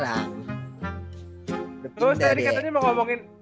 terus tadi katanya mau ngomongin